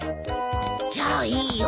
じゃあいいよ。